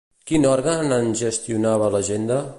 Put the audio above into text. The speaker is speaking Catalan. Quin òrgan en gestionava l'agenda?